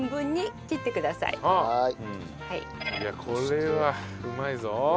いやこれはうまいぞ。